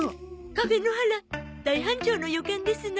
カフェ野原大繁盛の予感ですな。